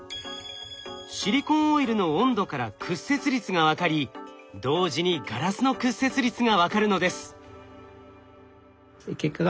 シリコンオイルの温度から屈折率が分かり同時にガラスの屈折率が分かるのです。